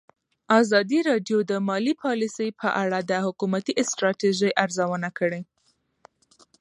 ازادي راډیو د مالي پالیسي په اړه د حکومتي ستراتیژۍ ارزونه کړې.